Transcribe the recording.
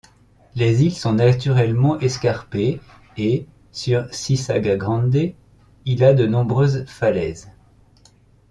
Les îles sont naturellement escarpées et, sur Sisaga Grande, il a de nombreuses falaises.